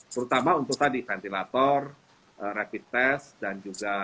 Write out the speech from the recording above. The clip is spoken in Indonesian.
terutama untuk tadi ventilator rapid test dan juga